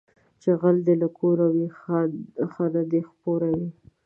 چې غل دې له کوره وي، خانه دې خپوره وي